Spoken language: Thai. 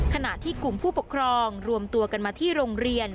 ขณะที่กลุ่มผู้ปกครองรวมตัวกันมาที่โรงเรียน